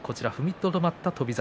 踏みとどまったのは翔猿。